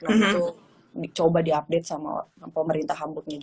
nanti tuh coba diupdate sama pemerintah hamburgnya juga